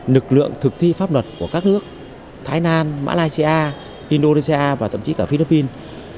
nực lượng thực thi pháp luật của các nước thái lan malaysia indonesia và tậm chí cả philippines